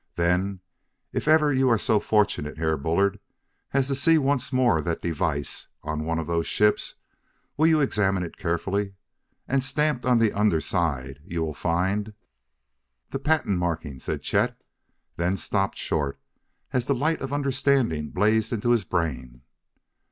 "Then, if ever you are so fortunate, Herr Bullard, as to see once more that device on one of those ships, will you examine it carefully? And, stamped on the under side, you will find " "The patent marking," said Chet; then stopped short as the light of understanding blazed into his brain.